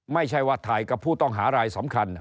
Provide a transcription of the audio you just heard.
ไม่ใช่ว่าถ่ายกับผู้ต้องหารายสำคัญ